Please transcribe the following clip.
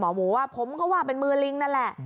หมูว่าผมก็ว่าเป็นมือลิงนั่นแหละ